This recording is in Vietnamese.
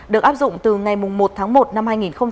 được áp dụng từ ngày một tháng một năm hai nghìn hai mươi